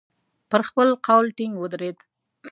پر خپل قول ټینګ ودرېد.